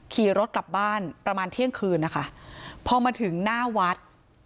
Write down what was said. ขี่รถกลับบ้านประมาณเที่ยงคืนนะคะพอมาถึงหน้าวัด